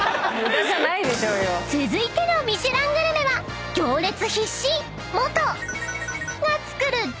［続いてのミシュラングルメは行列必至！］